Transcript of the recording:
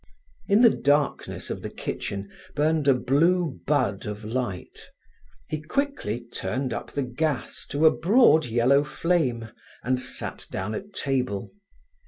In the darkness of the kitchen burned a blue bud of light. He quickly turned up the gas to a broad yellow flame, and sat down at table.